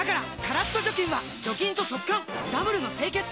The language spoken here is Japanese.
カラッと除菌は除菌と速乾ダブルの清潔！